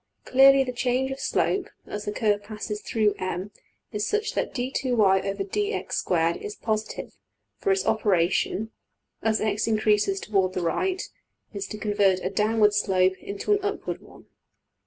Clearly the change of slope as the curve passes through~$M$ is such that $\dfrac{d^2y}{dx^2}$~is \emph{positive}, for its operation, as $x$~increases toward the right, is to convert a downward slope into an upward one.